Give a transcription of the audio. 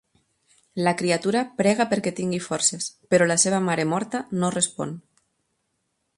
La criatura prega perquè tingui forces, però la seva mare morta no respon.